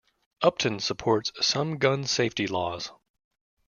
Upton supports some gun safety laws.